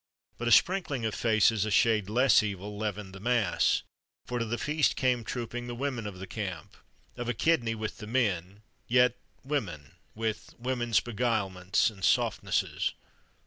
But a sprinkling of faces a shade less evil leavened the mass; for to the feast came trooping the women of the camp: of a kidney with the men yet women, with women's beguilements and softnesses.